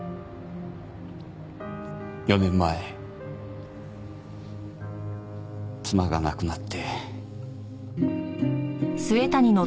４年前妻が亡くなって。